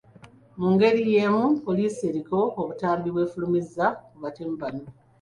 Mungeri yeemu, poliisi eriko obutambi bw’efulumizza ku batemu bano.